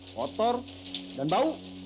kotor dan bau